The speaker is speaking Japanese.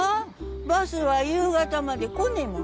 バスは夕方まで来ねえもん。